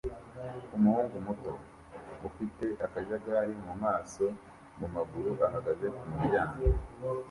Umuhungu muto ufite akajagari mumaso no mumaguru ahagaze kumuryango